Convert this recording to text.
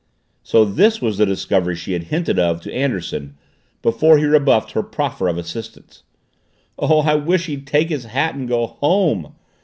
So this was the discovery she had hinted of to Anderson before he rebuffed her proffer of assistance! "Oh, I wish he'd take his hat and go home!"